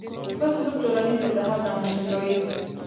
ښه سلوک ټولنیز اتحاد رامنځته کوي.